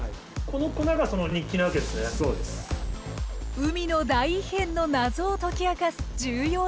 海の大異変の謎を解き明かす重要な工程。